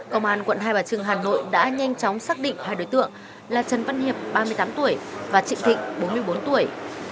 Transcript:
công an quận hai bà trưng hà nội đã nhanh chóng xác định hai đối tượng là trần văn hiệp ba mươi tám tuổi và trịnh thịnh bốn mươi bốn tuổi